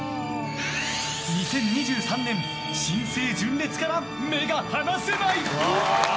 ２０２３年も新生純烈から目が離せない！